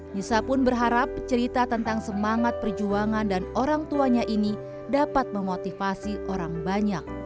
nisa pun berharap cerita tentang semangat perjuangan dan orang tuanya ini dapat memotivasi orang banyak